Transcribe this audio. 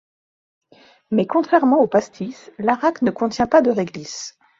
Mais contrairement au pastis, l'arak ne contient pas de réglisse.